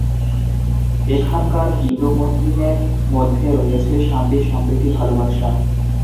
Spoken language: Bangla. এখানকার হিন্দু-মুসলিমের মধ্যে রয়েছে শান্তি-সম্প্রতি-ভালোবাসা।